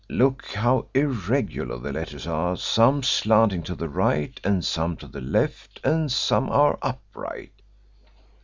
Look how irregular the letters are some slanting to the right and some to the left, and some are upright.